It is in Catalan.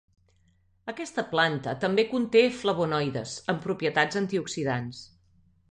Aquesta planta també conté flavonoides, amb propietats antioxidants.